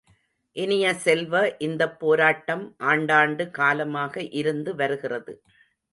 இனிய செல்வ, இந்தப் போராட்டம் ஆண்டாண்டு காலமாக இருந்து வருகிறது.